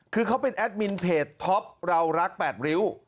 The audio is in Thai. คือเขาเป็นแอดมินเพจท็อปเรารัก๘ริ้ว